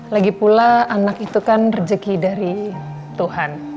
lagipula anak itu kan rezeki dari tuhan